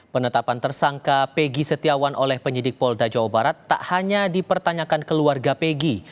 penetapan tersangka pegi setiawan oleh penyidik polda jawa barat tak hanya dipertanyakan keluarga pegi